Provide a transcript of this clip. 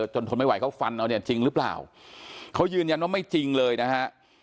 ทนไม่ไหวเขาฟันเอาเนี่ยจริงหรือเปล่าเขายืนยันว่าไม่จริงเลยนะฮะ